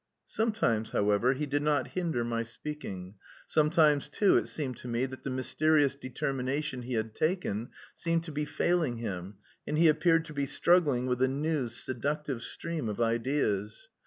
Sometimes, however, he did not hinder my speaking. Sometimes, too, it seemed to me that the mysterious determination he had taken seemed to be failing him and he appeared to be struggling with a new, seductive stream of ideas.